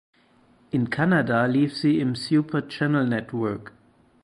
In Kanada lief sie im Super Channel Network.